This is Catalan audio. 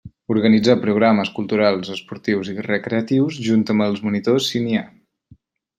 Organitzar programes culturals, esportius i recreatius, junt amb els monitors si n'hi ha.